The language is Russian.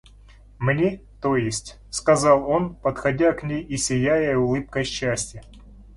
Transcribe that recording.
Мне, то есть, — сказал он, подходя к ней и сияя улыбкой счастья.